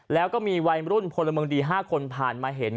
แล้วก็มีวัยรุ่นพลเมืองดี๕คนผ่านมาเห็น